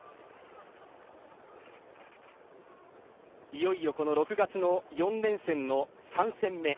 いよいよ６月の４連戦の３戦目。